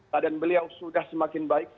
keadaan beliau sudah semakin baik